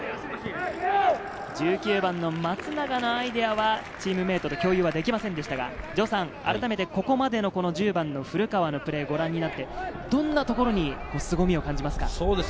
１９番の松永のアイデアはチームメートと共有はできませんでしたが、あらためて、ここまでの１０番の古川のプレー、ご覧になってどんなところにすごみを感じますか？